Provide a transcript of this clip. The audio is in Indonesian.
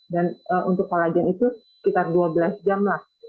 dan untuk kolagen itu sekitar dua belas jam lah